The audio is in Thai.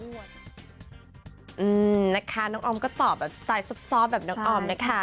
นะคะน้องออมก็ตอบแบบสไตล์ซอบแบบน้องออมนะคะ